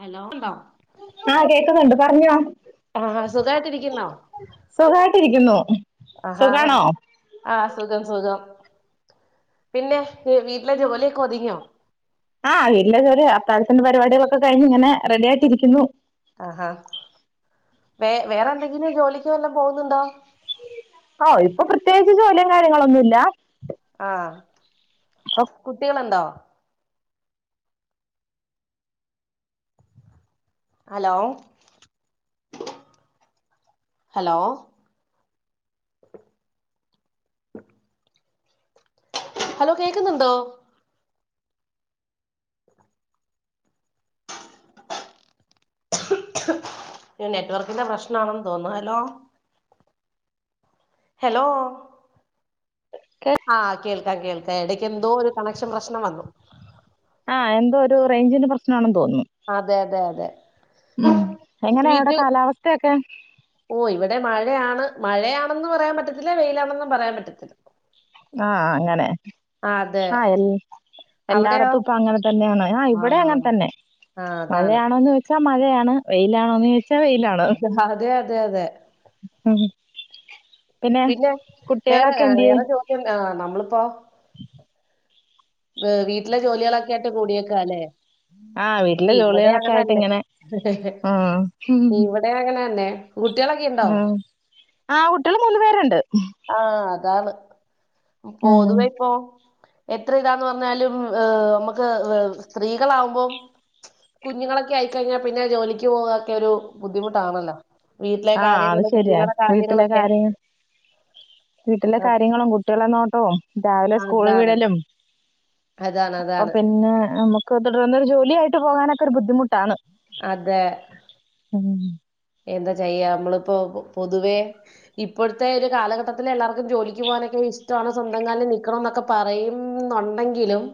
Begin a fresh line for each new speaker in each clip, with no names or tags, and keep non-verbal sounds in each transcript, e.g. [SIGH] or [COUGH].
Hello
ആഹ് കേക്കുന്നുണ്ട് പറഞ്ഞോ
ആഹ് സുഖായിട്ടരിക്കുന്നോ
സുഖായിട്ടിരിക്കുന്നു
ആഹ്
സുഖാണോ
ആഹ് സുഖം സുഖം പിന്നെ വീട്ടിലെ ജോലിയൊക്കെ ഒതുങ്ങിയോ
ആഹ് വീടിന്റെ ജോലി അത്താഴത്തിന്റെ പരിപാടികളൊക്കെ കഴിഞ്ഞു ഇങ്ങനെ റെഡി ആയിട്ടിരിക്കുന്നു
ആഹ് വേ വേറെ എന്തെങ്കിലും ജോലിക്ക് വല്ലം പോകുന്നുണ്ടോ
ഓഹ് ഇപ്പൊ പ്രത്യേകിച്ച് ജോലിയും കാര്യങ്ങളൊന്നുമില്ല
ആഹ് കുട്ടികളുണ്ടോ ഹലോ ഹലോ ഹലോ കേക്കുന്നുണ്ടോ? നെറ്റ്‌വർക്കിന്റെ പ്രശ്നം ആണെന്ന് തോന്നുന്നു ഹെലോ ആഹ് കേൾക്കാം കേൾക്കാം എടക്ക് എന്തോ ഒരു കണക്ഷൻ പ്രശ്നം വന്നു
ആഹ് എന്തോ ഒരു റേയ്ഞ്ചിന്റെ പ്രശ്നമാണെന്ന് തോന്നുന്നു
അതെ അതെ അതെ
ഉം എങ്ങനെയാ അവിടെ കാലാവസ്ഥയൊക്കെ
ഓഹ് ഇവിടെ മഴയാണ് മഴയാണെന്ന് പറയാൻ പറ്റത്തില്ല വെയിലാണെന്നും പറയാൻ പറ്റത്തില്ല
ആഹ് അങ്ങനെ
ആ, അതെ
ആഹ് എ
അവിടെയോ
എല്ലായിടത്തും ഇപ്പൊ അങ്ങനെ തന്നെയാണ് ആഹ് ഇവിടെ അങ്ങനെ തന്നെ
ആഹ് അതാണ്
ച്ച മഴയാണ് വെയിലാണോന്ന് ചോദിച്ച
അതെ അതെ അതെ
ഉം
പിന്നെ വേറെ
കുട്ടികളൊക്കെ
ആഹ്
എന്തിയെ
വേറെ ജോബുണ്ടോ ആഹ് നമ്മളിപ്പോ
[INAUDIBLE]
വി വീട്ടിലെ ജോലികളൊക്കെ ആയിട്ട് കൂടിയേക്കുവാല്ലേ
ആഹ് വീട്ടിലെ
ഇവിടെ
ജോലികളൊക്കെ ആയിട്ട്
അങ്ങനന്നെ
ഇങ്ങനെ ആഹ്
ഇവിടെ അങ്ങനന്നെ കുട്ടിയോളൊക്കെ എ
ഉം ആഹ് കുട്ടികള് മൂന്നു പേര്ണ്ട്
ആഹ് അതാണ്
ഉം
പൊതുവെ ഇപ്പോ എത്രയിതാന്ന് പറഞ്ഞാലും അമ്മക്ക് സ്ത്രീകളാകുമ്പം കുഞ്ഞ്ങ്ങളൊക്കെ ആയിക്കഴിഞ്ഞാ പിന്നെ ജോലിക്ക് പോവക്കെരു ബുദ്ധിമുട്ടാണല്ലോ? വീട്ടിലെ
ആഹ് അത്
കാര്യങ്ങള്
ശെരിയാ
കുഞ്ഞുങ്ങളുടെ
വീട്ടിലെ
കാര്യങ്ങളൊക്കെ
കാര്യം വീട്ടിലെ
അ-
കാര്യങ്ങളും കുട്ടികളെ നോട്ടവും രാവിലെ സ്കൂളി
അതാണ്
വിടലും
അതാണ്
അപ്പൊ
അതാണ്
പിന്നെ അമ്മക്ക് തുടർന്ന് ഒരു ജോലിയായിട്ട് പോവാനൊക്കെ ഒരു ബുദ്ധിമുട്ടാണ്.
അതെ
ഉം
എന്താ ചെയ്യാ അമ്മളിപ്പോ പൊതുവേ ഇപ്പൊഴത്തെ ഒര് കാലഘട്ടത്തില് എല്ലാർക്കും ജോലിക്ക് പോകാനൊക്കെ ഇഷ്ട്ടവാണ് സ്വന്തം കാലി നിക്കണോന്നൊക്കെ പ പറയുംന്നൊണ്ടങ്കിലും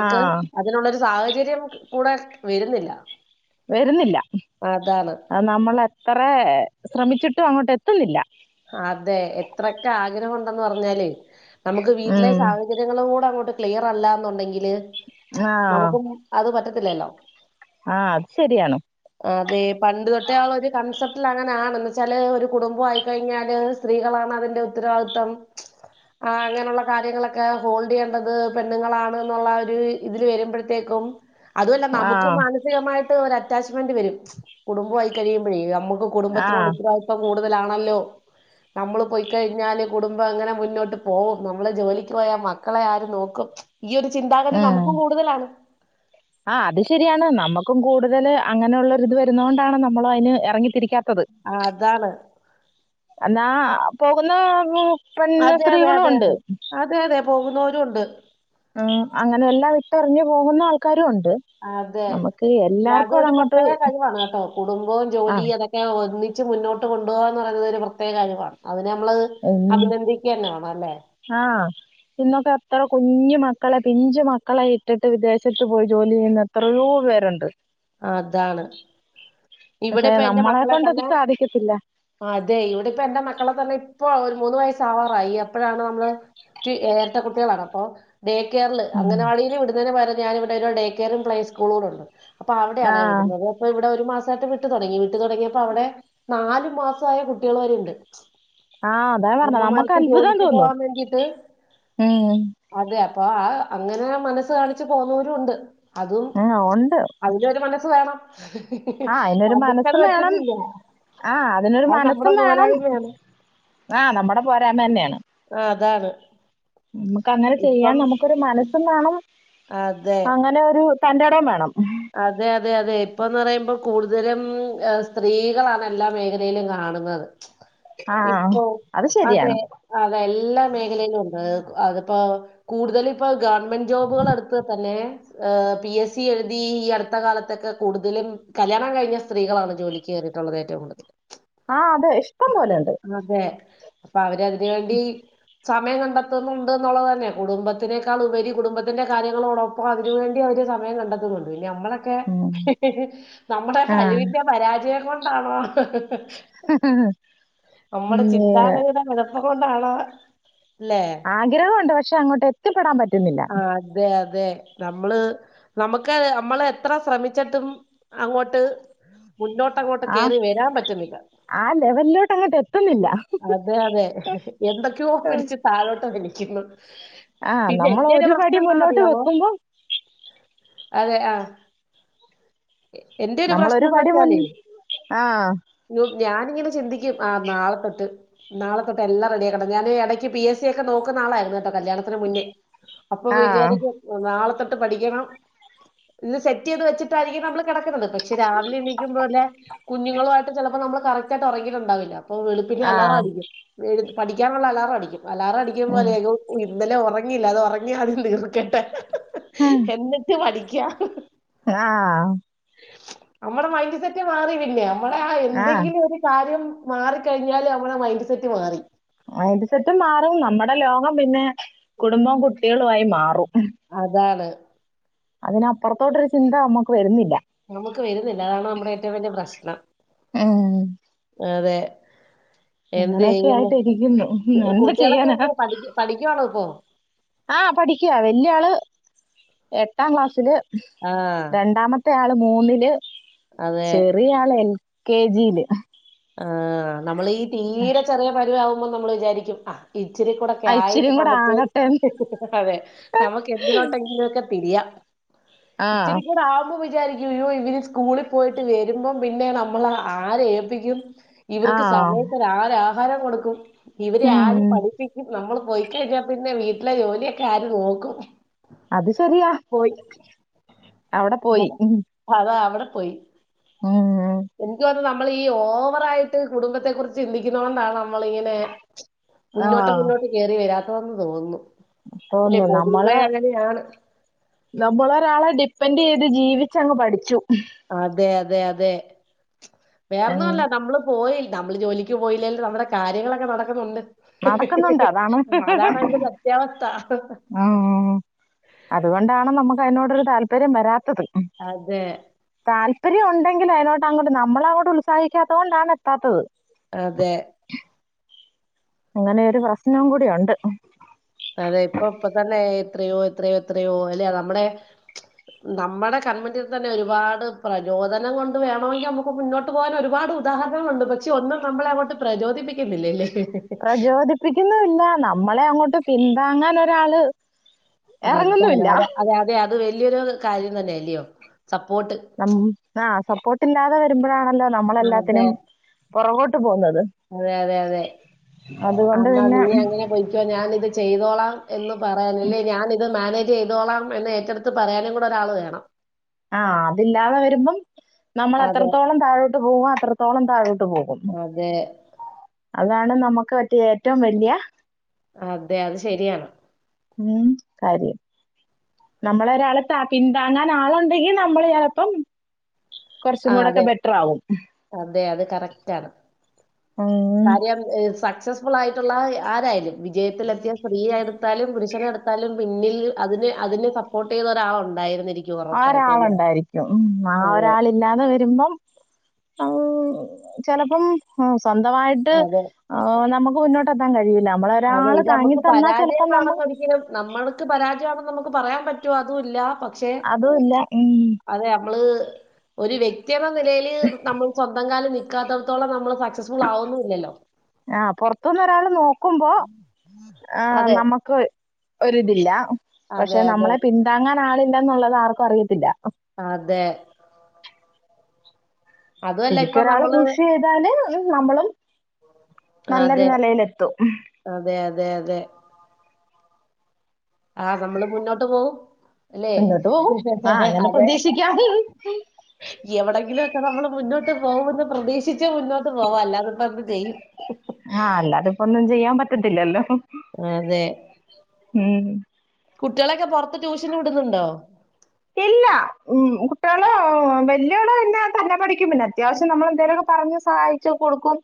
ആ
അതിനുള്ളൊര് സാഹചര്യം കൂടെ വരുന്നില്ല
വരുന്നില്ല
അതാണ്
അത് നമ്മളെത്ര ശ്രമിച്ചിട്ടും അങ്ങോട്ട് എത്ത്ന്നില്ല.
അതെ എത്രയൊക്കെ ആഗ്രഹം ഒണ്ടെന്ന് പറഞ്ഞാലുവേ നമുക്ക് വീട്ടിലെ
ഉം
സാഹചര്യങ്ങളും കൂടെ അങ്ങോട്ട് ക്ലിയറല്ലാന്നുണ്ടെങ്കില്
ആ
നമുക്കും അത് പറ്റത്തില്ലല്ലോ?
ആഹ് അത് ശരിയാണ്
അതെ പണ്ട് തൊട്ടേ ഒള്ള ഒര് കൺസെപറ്റിലങ്ങനാണ് എന്ന് വെച്ചാല് ഒര് കുടുംബവായി കഴിഞ്ഞാല് സ്ത്രീകളാണ് അതിന്റെ ഉത്തരവാദിത്തം ആഹ് അങ്ങനൊള്ള കാര്യങ്ങളൊക്കെ ഹോൾഡ് ചെയ്യണ്ടത് പെണ്ണുങ്ങളാണ് എന്നുള്ളൊര് ഇതില് വര്മ്പഴത്തേക്കും അതുവല്ല
ആ
നമുക്കും മാനസികമായിട്ട് ഒര് അറ്റാച്ച്മെന്റ് വെരും കുടുംബവായി കഴിയുമ്പഴേ നമ്മക്കും
ആ
കുടുംബത്തിനോട് ഉത്തരവാദിത്തം കൂടുതലാണല്ലോ നമ്മള് പോയ്ക്കഴിഞ്ഞാല് കുടുംബം എങ്ങനെ മുന്നോട്ട് പോവും നമ്മള് ജോലിക്ക് പോയാ മക്കളെ ആര് നോക്കും? ഈയൊരു ചിന്താഗതി നമുക്കും കൂടുതലാണ്
ആഹ് അത് ശെരിയാണ് നമ്മക്കും കൂടുതല് അങ്ങനെള്ളൊരിത് വര്ന്ന കൊണ്ടാണ് നമ്മളും അയ്ന് എറങ്ങിത്തിരിക്കാത്തത്.
അതാണ്
എന്നാ പോക്ന്ന കു പെണ്ണ്
അതെ അതെ
സ്ത്രീകളും
അതെ
ഒണ്ട്
അതെ അതെ അതെ പോകുന്നോരും ഒണ്ട്
ആഹ് അങ്ങനെ എല്ലാം ഇട്ടെറിഞ്ഞ് പോക്ന്നാൾക്കാരും ഒണ്ട്
അതെ എല്ല അതൊരു പ്രത്യേക കഴിവാണ് കേട്ടോ കുടുംബവും ജോലി
ആഹ്
അതൊ ക്കെ ഒന്നിച്ച് മുന്നോട്ട് കൊണ്ടുപോകാന്ന് പറയ്ന്നത് ഒരു പ്രത്യേക കഴിവാണ് അതിന് നമ്മള്
ഉം
അഭിനന്ദിക്കന്നെ വേണം അല്ലേ?
ആഹ് ഇന്നൊക്കെ എത്ര കുഞ്ഞു മക്കളെ പിഞ്ചു മക്കളെയിട്ടിട്ട് വിദേശത്ത് പോയി ജോലി ചെയ്യ്ന്ന എത്ര എത്രയോ പേരുണ്ട്
അതാണ്
പക്ഷെ
ഇവ്ടിപ്പ എന്റെ
നമ്മളെ
മക്കളെ
കൊണ്ടത്
തന്നെ
സാധിക്കത്തില്ല.
അതെ ഇവ്ടിപ്പ എന്റെ മക്കളെ തന്നെ ഇപ്പൊ ഒര് മൂന്ന് വയസ്സാവാറായി അപ്പഴാണ് നമ്മള് റ്റ് എരട്ടകുട്ടികളാണ് അപ്പൊ ഡേ കെയറില് അംഗനവാടിയില് വിട്ന്നതിന് പകരം ഞാനിവിടെ ഒരു ഡേ കെയും പ്ലേ സ്കൂളൂടെ ഒണ്ട് അപ്പ അവ്ടെയാണേ
ആഹ്
വിട്ന്നത് അപ്പൊ ഇവ്ടെ ഒരു മാസായിട്ട് വിട്ട് തൊടങ്ങി വിട്ട് തൊടങ്ങിയപ്പം അവ്ടെ നാലുമാസായ കുട്ടികള് വരെ ഇണ്ട്
ആഹ് അതാ പറഞ്ഞെ നമ്മക്ക്
അമ്മമാർക്ക്
അത്ഭുതം
ജോലിക്ക്
തോന്നും.
പോകാൻ വേണ്ടിയിട്ട്
ഉം
അതെ അപ്പ ആഹ് അങ്ങനെ മനസ്സ് കാണിച്ച് പോന്നവരും ഒണ്ട് അതും
ആഹ് ഉണ്ട്
അതിനൊര് മനസ്സ് വേണം
ആഹ് അയിനൊര്
നമുക്കത്
മനസ്സും വേണം
പറ്റുന്നില്ല.
ആഹ് അതിനൊര്
അത് നമ്മുടെ
മനസ്സും വേണം
പോരായ്മയാണ്.
ആഹ് നമ്മടെ പോരായ്മ തന്നെയാണ്
ആ, അതാണ്.
നമ്മുക്ക് അങ്ങനെ ചെയ്യാൻ
ഇപ്പം
നമുക്കൊര് മനസ് സും വേണം
അതെ
അങ്ങനെരു തന്റെടോം വേണം
അതെ അതെ അതെ ഇപ്പൊന്ന് പറയുമ്പോ കൂടുതലും സ്ത്രീകളാണ് എല്ലാ മേഖലയിലും കാണുന്നത്
ആഹ്
ഇപ്പൊ
അത് ശരിയാണ്
അതെ അത എല്ലാ മേഖലയിലും ഉണ്ട് അതിപ്പോ കൂടുതലും ഗവൺമെന്റ് ജോബുകൾ തന്നെ പി എസ് സി ഈ അടുത്ത കാലത്തൊക്കെ കൂടുതലും കല്യാണം കഴിഞ്ഞ സ്ത്രീകളാണ് ജോലിക്ക് കയറിയിട്ടുള്ളത് ഏറ്റവും കൂടുതൽ
ആഹ് അതെ ഇഷ്ടം പോലെഉണ്ട്
ഹേ അപ്പൊ അവർ അതിന് വേണ്ടി സമയം കണ്ടെത്തുന്നുണ്ട് എന്നുള്ളത് തന്നെ കുടുംബത്തിനേക്കാൾ ഉപരി കുടുംബത്തിന്റെ കാര്യങ്ങൾ ഇപ്പൊ അപ്പോ അതിനുവേണ്ടി അവര് സമയം കണ്ടെത്തുന്നുണ്ട് പിന്നെ നമ്മളൊക്കെ
ഉം
നമ്മുടെ
ആഹ്
കഴിവിന്റെ പരാജയം കൊണ്ടാണോ നമ്മുടെ
ഏഹ്
ചിന്താഗഹത അതുകൊണ്ടാണ്
ആഗ്രഹമുണ്ട് പക്ഷെ അങ്ങോട്ട് എത്തിപ്പെടാൻ പറ്റുന്നില്ല
ആഹ് അതെ അതെ നമ്മള് നമുക്ക് ഒക്കെ നമ്മള് എത്ര ശ്രമിച്ചിട്ടും അങ്ങോട്ട് മുന്നോട്ടങ്ങോട്ട് കയറി
ആഹ്
വരാൻ പറ്റുന്നില്ല
ആ ലെവലിലോട്ട് അങ്ങോട്ട് എത്തുന്നില്ല
അതെ അതെ എന്തൊക്കെയോ പിടിച്ച താഴോട്ട് വിളിക്കുന്നു
ആഹ്
പിന്നെ
നമ്മൾ
എന്റെ
ഒരു
പ്രശ്ന
പടി
എന്താ
മുന്നോട്ട്
അറിയാമോ
വെക്കുമ്പോ
അതെ ആഹ് എന്തൊരു പ്രശ്നം
നമ്മളൊരു
എന്ന്
പടി മുൻ
വച്ചാല്
ആഹ്
ഞാനിങ്ങനെ ചിന്തിക്കും ആഹ് നാളെത്തെട്ട് നാളെ തൊട്ട് എല്ലാം റെഡിയാക്കണം ഞാൻ ഇടക്ക് പി എസ് സി ഒക്കെ നോക്കുന്ന ആളായിരുന്നു കല്യാണം അ മുന്നേ അപ്പൊ
ആഹ്
വിചാരിക്കും നാളെ തൊട്ട് പഠിക്കണം ഇത് സെറ്റ് ചെയ്ത് വെച്ചിട്ടായിരിക്കും നമ്മള് കിടക്കുന്നത് പക്ഷെ രാവിലെ എണീക്കും പോലെ കുഞ്ഞുങ്ങളുമായിട്ട് ചിലപ്പോ നമ്മള് കറക്റ്റ് ആയിട്ട് ഉറങ്ങിയിട്ടുണ്ടാവില്ല അപ്പൊ വെളുപ്പിനെ അലാറം
ആഹ്
അടിക്കും പഠിക്കാനുള്ള അലാറം അടിക്കും
ഉം
അലാറംഅടിക്കുമ്പോൾ ഇന്നലെ ഉറങ്ങയില്ല അത് ഉറങ്ങി ആദ്യം തീർക്കട്ടെ എന്നിട്ട് പഠിക്കാ
ആഹ്
നമ്മടെ മൈൻഡ് സെറ്റ് മാറി പിന്നെ നമ്മടെ ആഹ് എന്തെങ്കിലും ഒരു കാര്യം മാറിക്കഴിഞ്ഞാല് അവമ്മടെ മൈൻഡ് സെറ്റ് മാറി
മൈന്റ്സെറ്റ് മാറും നമ്മടെ ലോകം പിന്നെ കുടുംബം കുട്ടികളു ആയി മാറും
അതാണ്
അതിനപ്പുറത്തോട്ടൊരു ചിന്ത നമ്മുക്ക് വരുന്നില്ല
നമുക്ക് വരുന്നില്ല അതാണ് നമ്മുടെ ഏറ്റവും വലിയ പ്രശ്നം
ഉം
അതെ എന്ത്
അങ്ങനെയൊക്കെ
ചെയ്യുന്നു
ആയിട്ട് ഇരിക്കുന്നു എന്നാ
കുട്ടികളൊക്കെ
ചെയ്യാനാ
എന്ത പഠിക്ക പഠിക്കുവാണോ ഇപ്പൊ
ആഹ് പഠിക്കുക വല്യ ആള് എട്ടാം ക്ലാസ്സില്
ആഹ്.
രണ്ടാമത്തെ മത്തെ ആള് മൂന്നില്
അതെ.
ചെറിയ ആള് എൽ കെ ജിയില്
ആഹ് നമ്മൾ ഈ തീരെ ചെറിയ പരുവ ആകുമ്പോൾ നമ്മൾ വിചാരിക്കും ആഹ് ഇച്ചിരി കൂടൊക്കെ
ആ
ആയിട്ട്
ഇച്ചിരിയും കൂടെ
നമുക്ക്
ആകട്ടെ എന്ന്.
അതെ നമുക്ക് എന്തിനോട്ടെങ്കിലൊക്കെ തിരിയാ
ആ
ഇച്ചരിക്കൂ ആവുമ്പോ വിചാരിക്കും ഇവര് സ്കൂളിൽ പോയിട്ട് വരുമ്പോം പിന്നെ നമ്മൾ ആരെ ഏൽപ്പിക്കും
ആ
ഇവർക്ക് സമയത്ത് ആരാ ആഹാരം കൊടുക്കും. ഇവരെ
ഉം.
ആര് പഠിപ്പിക്കും. നമ്മള് പോയിക്കഴിഞ്ഞാൽ പിന്നെ വീട്ടിലെ ജോലിയൊക്കെ ആര് നോക്കും
അത് ശെരിയാ
പോയി
അവിടെ പോയി
അത-
ഹും
അതാ അവടെ പോയി
[UNINTELLIGIBLE]
ഇനിക്ക് തൊന്നുന്നു നമ്മളി ഈ ഓവറായിട്ട് കുടുംബത്തെ കുറിച്ച് ചിന്തിക്കുന്നോണ്ടാണ് നമ്മളിങ്ങനെ
ആ
മുന്നോട്ട് മുന്നോട്ട് കേറി വരാത്തെന്ന് തോന്നുന്നു. അല്ലെ
തോന്നുന്നു
പൊതുവേ അങ്ങനെയാണ്.
നമ്മള് ഒരാളെ ഡിപ്പെൻഡ് ചെയ്ത് ജീവിച്ചങ്ങ് പഠിച്ചു.
അതെ അതെ അതെ
ഉം.
വേറൊന്നുല്ല നമ്മള് പോയി, നമ്മള് ജോലിക്ക് പോയില്ലേലും നമ്മുടെ കാര്യങ്ങളൊക്കെ നടക്കുന്നുണ്ട്.
നടക്കുന്നുണ്ട്
[UNINTELLIGIBLE]
അതാണ്
അതാണ് അയിന്റെ സത്യാവസ്ഥ
ആഹ് അതുകൊണ്ടാണ് നമുക്ക് അതിനോടൊരു താല്പര്യം വരാത്തത്
അതെ
താല്പര്യം ഉണ്ടെങ്കിൽ അയിലോട്ട് അങ്ങട്ട് നമ്മള് അങ്ങോട്ട് ഉത്സാഹിക്കാത്തത് കൊണ്ടാണ് എത്താത്തത്
അതെ
അങ്ങനെയൊരു പ്രശ്നം കൂടിയുണ്ട്.
അതെ ഇപ്പൊ ഇപ്പൊ തന്നെ എത്രയോ എത്രയോ എത്രയോ അല്ല നമ്മുടെ നമ്മടെ കണ്മുന്നിൽ തന്നെ ഒരുപാട് പ്രചോദനം കൊണ്ട് വേണോങ്കി നമുക്ക് ഇപ്പൊ മുന്നോട്ട് പോകാൻ ഒരുപാട് ഉദാഹരണങ്ങളുണ്ട് പക്ഷെ ഒന്നും നമ്മളെ അങ്ങോട്ട് പ്രചോദിപ്പിക്കുന്നില്ലല്ലേ? ഹ് ഹ്
പ്രചോദിപ്പിക്കുന്നുല്ല നമ്മളെ അങ്ങോട്ട് പിന്താങ്ങാൻ ഒരാള്
ആഹ്
ഇറങ്ങുന്നുമില്ല
അതാണ്. അത അതെ അതെ അത് വല്ല്യയൊരു കാര്യം തന്നെഅല്ലയോ സപ്പോർട്ട്
നമ്മ് ആഹ് സപ്പോർട്ടില്ലാതെ വരുമ്പോഴാണല്ലോ
അതെ
നമ്മളെല്ലാത്തിനും പുറകോട്ട് പോകുന്നത്
അതെ അതെ അതെ
അതുകൊണ്ട്
ആന്നാ
പിന്നെ
നീ അങ്ങനെ പൊയ്ക്കോ ഞാൻ ഇത് ചെയ്തോളാം എന്ന് പറയാനല്ലേ ഞാനിത് മാനേജ് ചെയ്തോളാം എന്ന് ഏറ്റെടുത്ത് പറയാനും കൂടെ ഒരാള് വേണം
ആഹ് അതില്ലാതെ വരുമ്പം നമ്മള്
അതെ
എത്രത്തോളം താഴോട്ട് പോവോ അത്രത്തോളം താഴോട്ട് പോകും
അതെ
അതാണ് നമുക്ക് പറ്റിയ ഏറ്റവും വല്ല്യ
അതെ അത് ശെരിയാണ്.
ഉും കാര്യം നമ്മളെ ഒരാള്താ പിന്താങ്ങാൻ ആളുണ്ടെങ്കിൽ നമ്മള് ചിലപ്പം കൊറച്ചും
ആ
കൂടെക്കെ
അതെ
ബെറ്റർ ആവും
അതെ അത് കറക്റ്റ് ആണ്.
ആഹ്
കാര്യം സക്സസ്ഫുൾ ആയിട്ടുള്ള ആരായാലും വിജയത്തിലെത്തിയ സ്ത്രീയാരു ട്താലും പുരുഷന്ട്ത്താലും പിന്നിൽ അതിന് അതിനെ സപ്പോർട്ട് ചെയ്ത ഒരാള് ഉണ്ടായിരുന്നിരിക്കും.
ആഹ് ഒരാളുണ്ടായിരിക്കും ആഹ്
അതെ
ഒരാളി ഇല്ലാതെ വരുമ്പം ചിലപ്പം സ്വന്തമായിട്ട്
അതെ
നമുക്ക് മുന്നോട്ട് എത്താൻ കഴിയില്ല നമ്മളെ
അതെ
ഒരാള്
ഇത്
താങ്ങി
നമുക്ക്
തന്നാൽ ചിലപ്പോം നമ്മള്
പരാജയമാണെന്ന് ഒരിക്കലും നമ്മൾക്ക് പരാജയമാണെന്ന് നമുക്ക് പറയാൻ പറ്റുമോ അതും ഇല്ല
അതുല്ല ഉും
അതെ നമ്മള് ഒരു വ്യക്തിെയെന്ന നിലയിൽ നമ്മള് സ്വന്തം കാലിൽ നിക് നിക്കാത്തടത്തോളം നമ്മള് സക്സ സ്ഫുൾ ആകുന്നുല്ലല്ലോ
ആഹ് പൊറത്ത്നിന്ന് ഒരാള് നോക്കുമ്പോ ആഹ്
അതെ
നമ്മുക്ക് ഒരിതില്ല
അതെ
പക്ഷെ
അതെ
നമ്മളെ പിന്താങ്ങാൻ ആളില്ലന്നുള്ളത് ആർക്കും അറിയത്തില്ല
അതെ അതുമല്ല ഇപ്പൊ
ശരിക്കൊരാള്
നമ്മള്
പുഷ് ചെയ്താല് നമ്മളും നല്ലൊരു
അതെ
നിലയിലെത്തും
അതെ അതെ അതെ ആഹ് നമ്മള് മുന്നോട്ട് പോകും അല്ലെ
മുന്നോട്ട് പോകും ആ അങ്ങനെ
അതെ
പ്രതീക്ഷിക്കാം
ഹ ഹ എവിടെങ്കിലും ഒക്കെ നമ്മൾ മുന്നോട്ട് പോകുമെന്ന് പ്രതീക്ഷിച്ച് മുന്നോട്ട് പോവാ അല്ലാതെപ്പെന്ത് ചെയ്യും
ആഹ് അല്ലാതെപ്പോ ഒന്നും ചെയ്യാൻ പറ്റത്തില്ലല്ലോ
അതെ
ഉം
കുട്ടിയേളൊക്കെ പൊറത്ത് ട്യൂഷന് വിടുന്നുണ്ടോ
ഇല്ല ഉം കുട്ടിയെള് വെല്യോള് പിന്നെ തന്നെ പഠിക്കും പിന്നെ അത്യാവശ്യം നമ്മൾ എന്തേലുമൊക്കെ പറഞ്ഞു സഹായിച്ചു കൊടുക്കും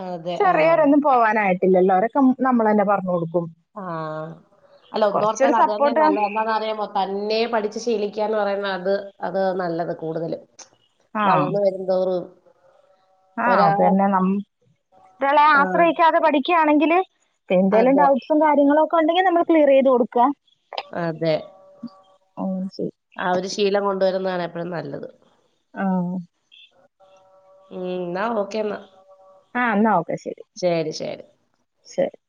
അതെ ആ
ചെറിയോരൊന്നും പോവാനായിട്ടില്ലല്ലോ അവരൊക്കെ നമ്മളന്നെ പറഞ്ഞു കൊടുക്കും
ആഹ് അല്ല ഒന്നോർത്താൽ
കൊറച്ചൊരു
അത് തന്നെ
സപ്പോർട്ട്
നല്ല എന്താന്നറിയാമോ അ മം തന്നെ പഠിച്ചു ശീലിക്കാന്ന് പറയുന്ന അത് അത് നല്ലത് കൂടുതലും
ആഹ്
വളർന്നു വരുന്തോറും
ആഹ്
ഒരാ
അത് തന്നെ നമ്മഒരാളെ
ആഹ്
ആശ്രയിക്കാതെ പഠിക്കുകയാണെങ്കില് എന്തേലും
അതെ
ഡൗട്ട് കാര്യങ്ങളൊക്കെണ്ടെങ്കിൽ നമ്മള് ക്ലിയർ ചെയ്ത് കൊടുക്ക
അതെ
അങ്ങനെ ചെയ്യും.
ആ ഒരു ശീലം കൊണ്ടുവരുന്നതാണ് എപ്പഴും നല്ലത്
ആഹ്
ഉം നാ ഓക്കേന്നാ
ആഹ് എന്നാ ഓക്കെ ശരി ശരി